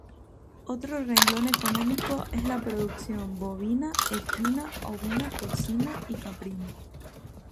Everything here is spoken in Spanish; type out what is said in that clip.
Otro renglón económico es la producción bovina, equina, ovina, porcina y caprina.